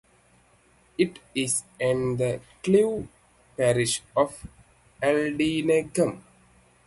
It is in the civil parish of Aldingham.